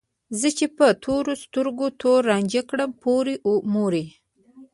زه چې په تورو سترګو تور رانجه کړم پورې مورې